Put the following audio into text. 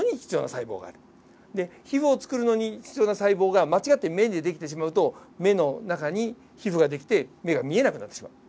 で皮膚を作るのに必要な細胞が間違って目に出来てしまうと目の中に皮膚が出来て目が見えなくなってしまう。